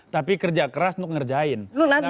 tapi pekerja keras untuk mengerjakan